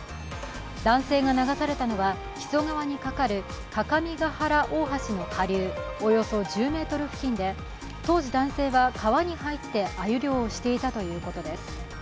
男性が流されたのは木曽川にかかる各務原大橋の下流、およそ１０ｍ付近で、当時、男性は川に入ってあゆ漁をしていたということです。